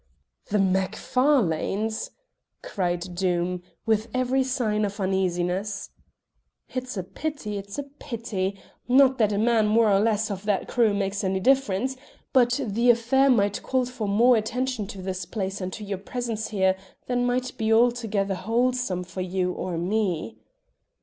"The Macfarlanes!" cried Doom, with every sign of uneasiness. "It's a pity, it's a pity; not that a man more or less of that crew makes any difference, but the affair might call for more attention to this place and your presence here than might be altogether wholesome for you or me."